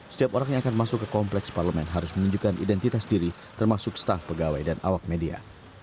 setiap orang yang akan masuk ke kompleks parlemen harus menunjukkan identitas diri termasuk staf pegawai dan awak media